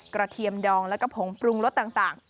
เทียมดองแล้วก็ผงปรุงรสต่าง